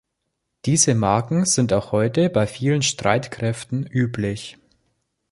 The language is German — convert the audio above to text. Diese Marken sind auch heute bei vielen Streitkräften üblich.